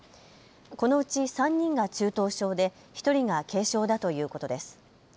このうち３人が中等症で１人が軽症だということです。